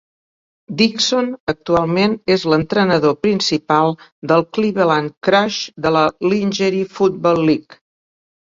Dixon actualment és l'entrenador principal de Cleveland Crush de la Lingerie Football League.